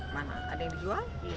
mana ada yang dijual